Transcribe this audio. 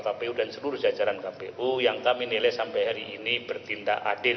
kedua kpu dan setelah semua kajaran kpu yang kami nilai sampai hari ini bertindak adil